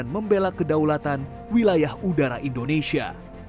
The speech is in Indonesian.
membela kedaulatan wilayah udara indonesia